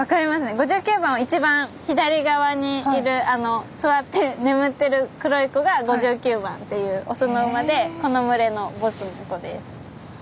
５９番は一番左側にいるあの座って眠ってる黒い子が５９番っていう雄の馬でこの群れのボスの子です。